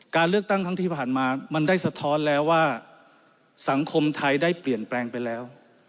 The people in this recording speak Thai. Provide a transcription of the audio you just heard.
การเลือกตั้งครั้งที่ผ่านมามันได้สะท้อนแล้วว่าสังคมไทยได้เปลี่ยนแปลงไปแล้ว